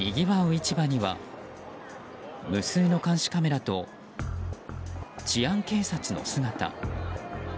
市場には無数の監視カメラと治安警察の姿。